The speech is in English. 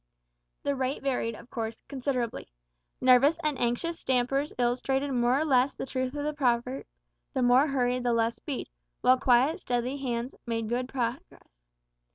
The rate varied, of course, considerably. Nervous and anxious stampers illustrated more or less the truth of the proverb, "The more hurry the less speed," while quiet, steady hands made good progress.